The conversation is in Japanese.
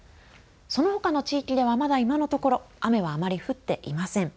そのほかの地域ではまだ今のところ雨はあまり降っていません。